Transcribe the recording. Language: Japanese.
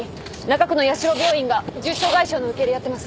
中区の八城病院が重症外傷の受け入れやってます。